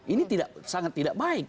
ini sangat tidak baik